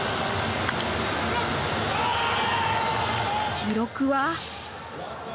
記録は？